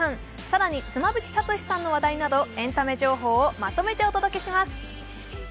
更に妻夫木聡さんの話題などエンタメ情報をまとめてお届けします。